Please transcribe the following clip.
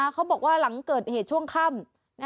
เขาบอกว่าหลังเกิดเหตุช่วงค่ำ